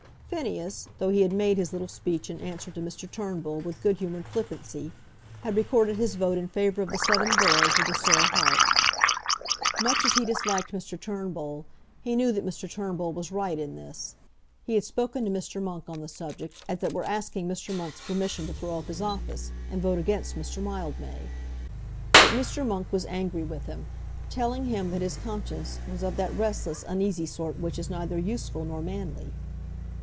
Phineas, though he had made his little speech in answer to Mr. Turnbull with good humoured flippancy, had recorded his vote in favour of the seven boroughs with a sore heart. Much as he disliked Mr. Turnbull, he knew that Mr. Turnbull was right in this. He had spoken to Mr. Monk on the subject, as it were asking Mr. Monk's permission to throw up his office, and vote against Mr. Mildmay. But Mr. Monk was angry with him, telling him that his conscience was of that restless, uneasy sort which is neither useful nor manly.